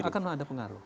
akan ada pengaruh